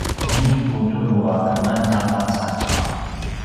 ini ku turu a keman ta macam